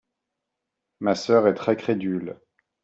Ma sœur est très crédule.